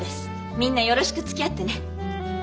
みんなよろしくつきあってね。